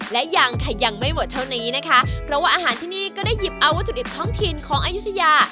และยังค่ะยังไม่หมดเท่านี้นะคะเพราะว่าอาหารที่นี่ก็ได้หยิบเอาวัตถุดิบท้องถิ่นของอายุทยา